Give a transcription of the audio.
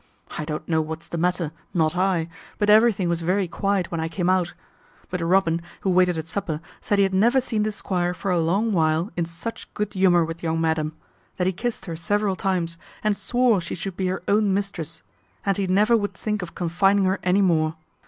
I don't know what's the matter, not I, but everything was very quiet when I came out; but Robin, who waited at supper, said he had never seen the squire for a long while in such good humour with young madam; that he kissed her several times, and swore she should be her own mistress, and he never would think of confining her any more.